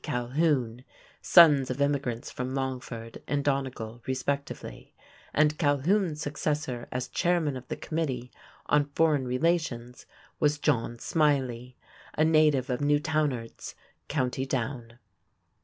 Calhoun, sons of immigrants from Longford and Donegal respectively, and Calhoun's successor as chairman of the committee on foreign relations was John Smilie, a native of Newtownards, Co. Down.